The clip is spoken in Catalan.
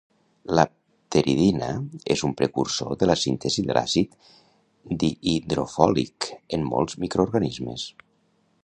La pteridina és un precursor de la síntesi de l'àcid dihidrofòlic en molts microorganismes.